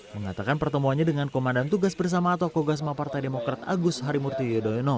mengatakan pertemuannya dengan komandan tugas bersama atau kogasma partai demokrat agus harimurti yudhoyono